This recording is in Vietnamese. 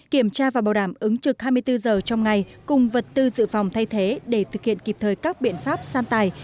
kiểm tra và bảo đảm ứng trực hai mươi bốn giờ trong ngày cùng vật tư dự phòng thay thế để thực hiện kịp thời các biện pháp san tài